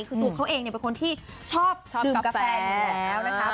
คือตัวเขาเองเป็นคนที่ชอบดื่มกาแฟอยู่แล้วนะคะ